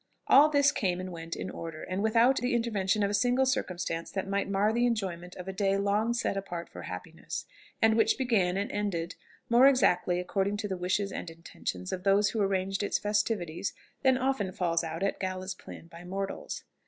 All this came and went in order, and without the intervention of a single circumstance that might mar the enjoyment of a day long set apart for happiness, and which began and ended more exactly according to the wishes and intentions of those who arranged its festivities than often falls out at galas planned by mortals.